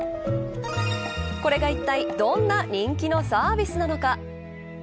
これがいったいどんな人気のサービスなのか。